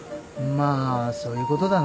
まあそういうことだな。